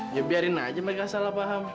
ya biarin aja mereka salah paham